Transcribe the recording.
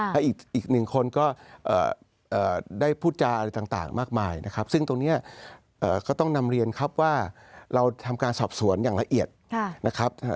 และอีกหนึ่งคนก็ได้พูดจาอะไรต่างมากมายนะครับซึ่งตรงนี้ก็ต้องนำเรียนครับว่าเราทำการสอบสวนอย่างละเอียดนะครับ